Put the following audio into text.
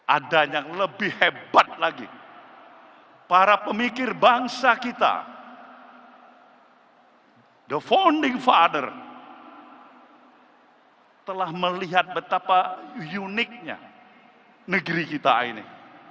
ada yang lebih hebat lagi para pemikir bangsa kita the founding father telah melihat betapa uniknya negeri kita ini